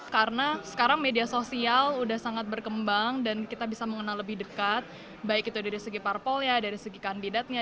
karena sekarang media sosial udah sangat berkembang dan kita bisa mengenal lebih dekat baik itu dari segi parpolnya dari segi kandidatnya